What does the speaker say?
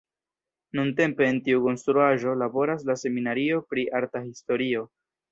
Nuntempe en tiu konstruaĵo laboras la seminario pri arta historio.